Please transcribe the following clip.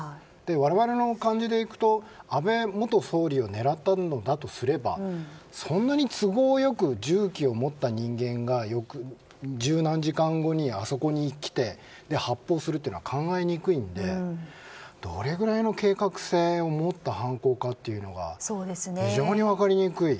我々の感じからいくと安倍元総理を狙ったんだとすればそんなに都合よく銃器を持った人間が十何時間後にあそこに来て発砲するというのは考えにくいのでどれぐらいの計画性を持った犯行かというのが非常に分かりにくい。